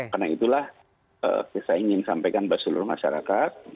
karena itulah saya ingin sampaikan kepada seluruh masyarakat